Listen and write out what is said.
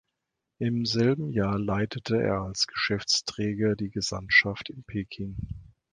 Im selben Jahr leitete er als Geschäftsträger die Gesandtschaft in Peking.